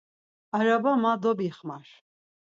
Araba ma dovixmar.